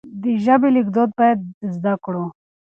د ژبې ليکدود بايد زده کړو.